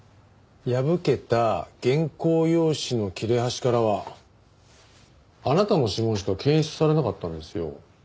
破けた原稿用紙の切れ端からはあなたの指紋しか検出されなかったんですよ。